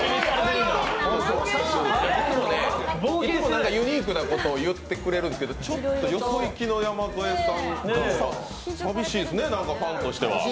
いつもユニークなことを言ってくれるんですけどちょっとよそいきの山添さんで、寂しいですね、ファンとしては。